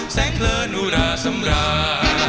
แสงเพลินอุราสำรา